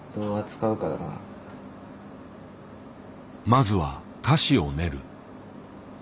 まずは歌詞を練る。